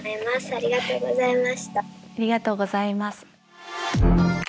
ありがとうございます。